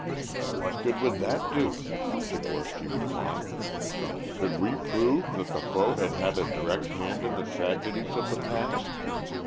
"What good would that do?" Tchigorsky replied. "Could we prove that the foe had had a direct hand in the tragedies of the past?